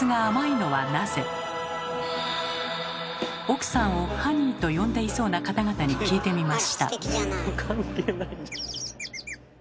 奥さんをハニーと呼んでいそうな方々に聞いてみました。